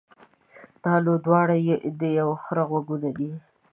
دا نو دواړه د يوه خره غوږونه دي.